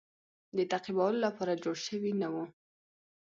د تعقیبولو لپاره جوړ شوی نه وو.